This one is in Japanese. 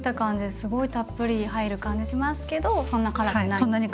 すごいたっぷり入る感じしますけどそんな辛くないんですもんね。